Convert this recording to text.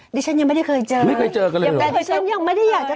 ดิฉันยังไม่ได้เคยเจอไม่เคยเจอกันเลยยังไงแต่ดิฉันยังไม่ได้อยากจะ